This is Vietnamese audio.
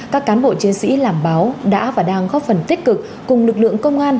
các cán bộ chiến sĩ làm báo đã và đang góp phần tích cực cùng lực lượng công an